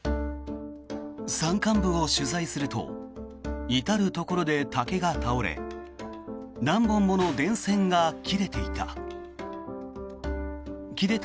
山間部を取材すると至るところで竹が倒れ何本もの電線が切れていた。